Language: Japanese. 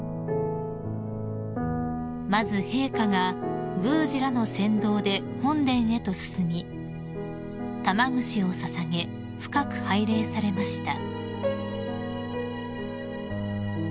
［まず陛下が宮司らの先導で本殿へと進み玉串を捧げ深く拝礼されました］